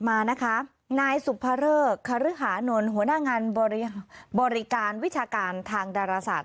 มานะคะนายสุภรคหลังงานบริการวิชาการทางดาราศาสตร์